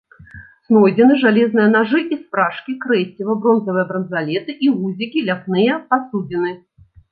Знойдзены жалезныя нажы і спражкі, крэсіва, бронзавыя бранзалеты і гузікі, ляпныя пасудзіны.